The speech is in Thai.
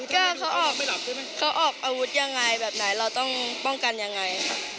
ก็เขาออกอาวุธยังไงแบบไหนเราต้องป้องกันยังไง